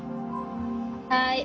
はい。